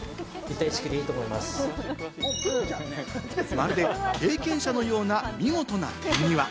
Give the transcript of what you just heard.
まるで経験者のような見事な手際。